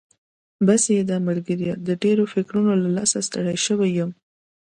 بس یې ده ملګري، د ډېرو فکرونو له لاسه ستړی شوی یم.